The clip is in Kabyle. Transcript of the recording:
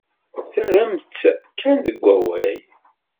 Terram-tt kan deg wawal.